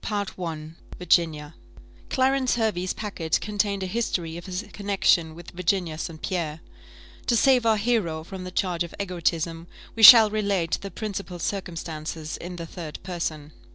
CHAPTER XXVI. VIRGINIA Clarence Hervey's packet contained a history of his connexion with Virginia St. Pierre. To save our hero from the charge of egotism, we shall relate the principal circumstances in the third person.